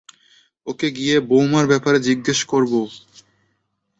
ওকে গিয়ে বীমার ব্যাপারে জিজ্ঞেস করবো।